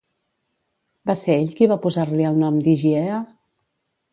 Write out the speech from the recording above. Va ser ell qui va posar-li el nom d'Higiea?